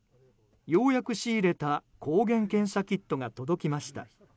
ようやく仕入れた抗原検査キットが届きました。